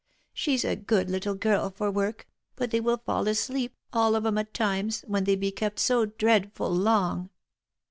" She's a good little girl for work ; but they will fall asleep, all of 'em at times, when they be kept so dreadful long."